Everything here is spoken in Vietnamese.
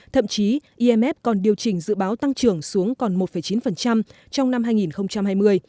thậm chí imf còn điều chỉnh dự báo tăng trưởng xuống còn một chín trong năm hai nghìn hai mươi